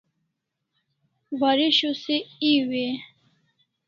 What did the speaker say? Waresho se ew e?